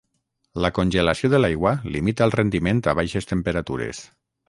La congelació de l'aigua limita el rendiment a baixes temperatures.